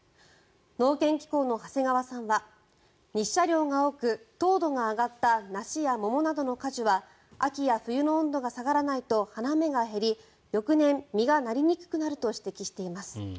農研機構の長谷川さんは日射量が多く糖度が上がった梨や桃などの果樹は秋や冬の温度が下がらないと花芽が減り翌年、実がなりにくくなると指摘しています。